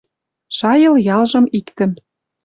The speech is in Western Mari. Шайыл ялжым иктӹм.